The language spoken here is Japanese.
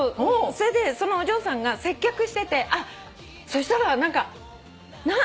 それでそのお嬢さんが接客しててそしたら何か何ていうのかな。